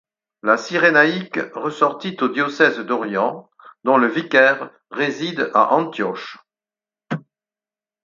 La Cyrénaïque ressortit au diocèse d'Orient, dont le vicaire réside à Antioche.